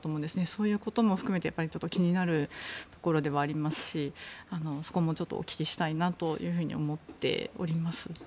そういうことも含めて気になるところではありますしそこもちょっとお聞きしたいなと思っております。